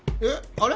あれ？